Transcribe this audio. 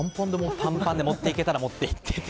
パンパンで持っていけたら持っていってもらって。